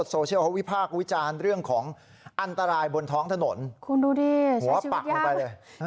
โซเชียลเขาวิพากษ์วิจารณ์เรื่องของอันตรายบนท้องถนนคุณดูดิหัวปักลงไปเลย